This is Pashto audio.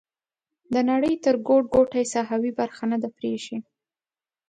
د نړۍ تر ګوټ ګوټه یې ساحوي برخه نه ده پریښې.